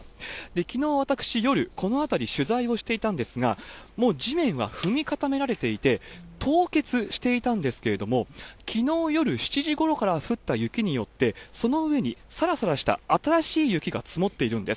きのう、私、夜、この辺り、取材をしていたんですが、もう地面は踏み固められていて、凍結していたんですけれども、きのう夜７時ごろから降った雪によって、その上にさらさらした新しい雪が積もっているんです。